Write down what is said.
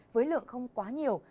với lượng không quá nhiều